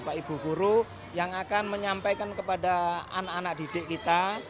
bapak ibu guru yang akan menyampaikan kepada anak anak didik kita